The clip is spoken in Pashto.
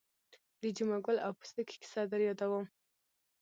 د جمعه ګل او پستکي کیسه در یادوم.